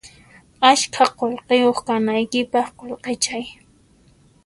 Askha qullqiyuq kanaykipaq qullqichay